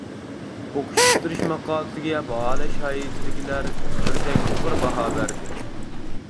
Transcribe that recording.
ئوقۇش پۈتتۈرۈش ماقالىسىگە باھالاش ھەيئىتىدىكىلەر بىردەك يۇقىرى باھا بەردى.